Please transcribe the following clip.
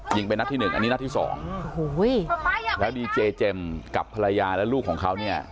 ยิงไปนัดที่หนึ่งอันนี้นัดที่สองโอ้โหแล้วดีเจเจมส์กับภรรยาและลูกของเขาเนี่ย